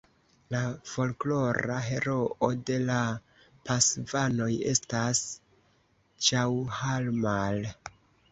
La folklora heroo de la Pasvanoj estas Ĉaŭharmal.